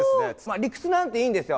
理屈なんていいんですよ。